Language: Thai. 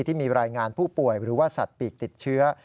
ที่มีรายงานผู้ป่วยหรือว่าสัตว์ปีกติดเชื้อ